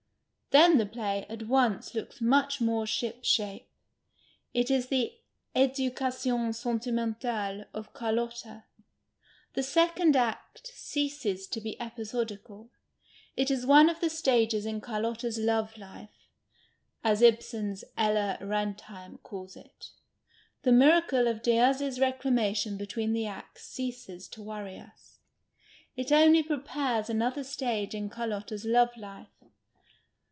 Then the play at once looks much more shipshape. It is the education sentimcnialc of Carlotta. The second aet ceases to be episodical ; it is one of the stages in Carlotta's " love hfe " (as Ibsen's Ella Renthcim calls it). The miracle of Diaz's reclamation between the acts ceases to worry us ; it only prepares another stage in Carlotta's love life.